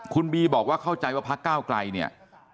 คุณบีบอกว่าเข้าใจว่าพักก้าวไกลเนี่ย